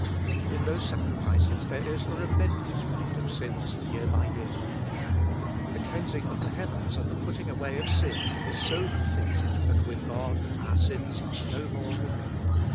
In those sacrifices there is a remembrance made of sins year by year. The cleansing of the heavens and the putting away of sin is so complete that with God our sins are no *more remembered.